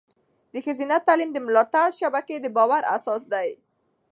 د ښځینه تعلیم د ملاتړ شبکې د باور اساس دی.